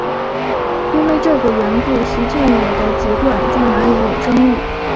因为这个缘故徐静蕾的籍贯在哪里有争议。